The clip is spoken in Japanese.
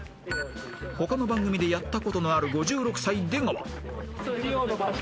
［他の番組でやったことのある５６歳出川］